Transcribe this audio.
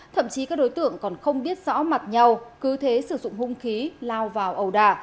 thậm chí các đối tượng còn không biết rõ mặt nhau cứ thế sử dụng hung khí lao vào ẩu đà